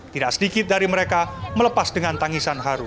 tidak sedikit dari mereka melepas dengan tangisan haru